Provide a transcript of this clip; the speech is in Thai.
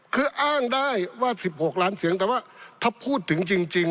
คืออ้างได้ว่า๑๖ล้านเสียงแต่ว่าถ้าพูดถึงจริง